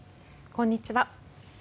こんにちは。